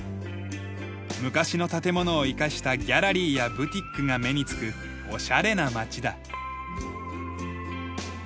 昔の建物を生かしたギャラリーやブティックが目につくおしゃれな町だ。